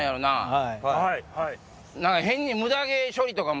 はい。